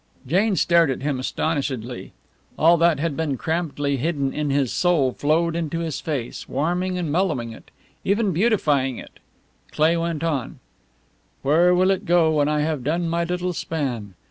Jane stared at him astonishedly. All that had been crampedly hidden in his soul flowed into his face, warming and mellowing it, even beautifying it. Cleigh went on: "Where will it go when I have done my little span?